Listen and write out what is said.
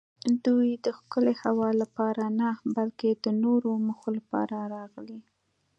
دوی د ښکلې هوا لپاره نه بلکې د نورو موخو لپاره راغلي.